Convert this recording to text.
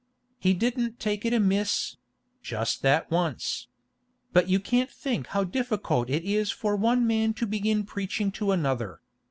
He didn't take it amiss—just that once. But you can't think how difficult it is for one man to begin preaching to another.